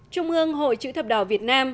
trung ương hội chữ thập đỏ việt nam